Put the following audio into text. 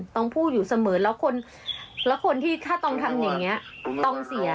ตองพูดอยู่เสมอแล้วคนที่ถ้าตองทำอย่างงี้ตองเสียนะ